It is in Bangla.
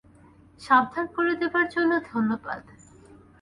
সাবধান করে দেবার জন্যে ধন্যবাদ।